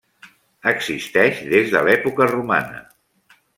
Existeix des de l'època romana.